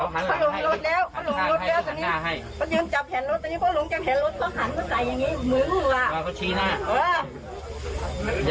เห็นแล้วถอยไปก่อนให้ดูได้ไหมคะ